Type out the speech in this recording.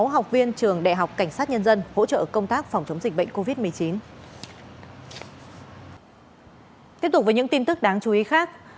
bốn mươi sáu học viên trường đại học cảnh sát nhân dân hỗ trợ công tác phòng chống dịch bệnh covid một mươi chín